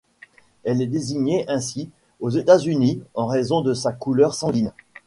Elle est désignée ainsi, aux États-Unis, en raison de sa couleur sanguine.